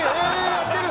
やってる。